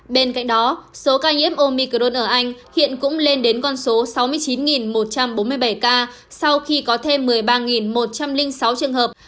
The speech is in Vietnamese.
bên cạnh đó số ca nhiễm omicron ở anh hiện cũng lên đến con số sáu mươi chín một trăm bốn mươi bảy ca sau khi có thêm một mươi ba một trăm linh sáu trường hợp